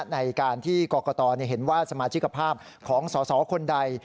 ในการที่กรกตเห็นว่าสมาชิกภาพของสสคนใด